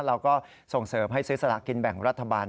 เราก็ส่งเสริมให้ซื้อสลากินแบ่งรัฐบาล